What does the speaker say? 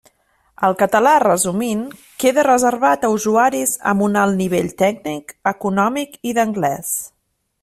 El català, resumint, queda reservat a usuaris amb un alt nivell tècnic, econòmic i d'anglès.